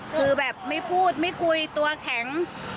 คือแบบไม่พูดไม่คุยตัวแข็ง